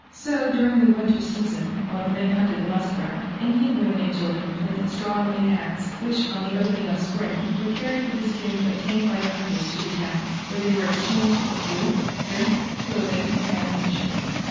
So during the winter season, while the men hunted the muskrat, the Indian women and children plaited straw and made hats, which, on the opening of spring, were carried with the skins obtained by the hunters, to the towns, where they were exchanged for food, drink, clothing and ammunition.